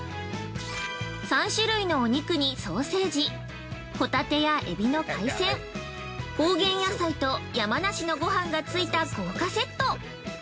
３種類のお肉にソーセージ、ホタテやエビの海鮮、高原野菜と山梨のごはんがついた豪華セット！